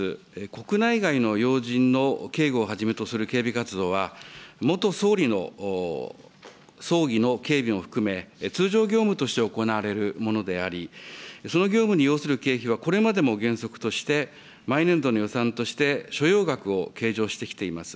国内外の要人の警護をはじめとする警備活動は、元総理の葬儀の警備も含め、通常業務として行われるものであり、その業務に要する経費は、これまでも原則として、毎年度の予算として、所要額を計上してきています。